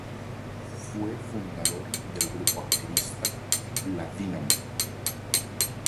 Fue fundador del grupo activista "La Dinamo".